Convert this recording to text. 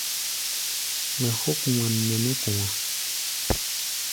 Mɛ hók wan nɛ mɛ́ kɔ̧á̧.